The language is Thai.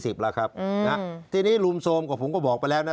อืมนะครับทีนี้รุมโทรมกับผมก็บอกไปแล้วนะ